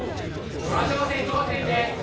鳥羽商船高専です。